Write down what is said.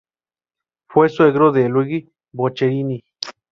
Fue suegro de Luigi Boccherini.